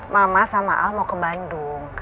mama sama al mau ke bandung